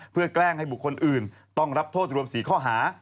เพื่อแกล้งให้บุคคลอื่นต้องรับโทษรวม๔ข้อหา